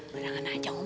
padahal enggak jauh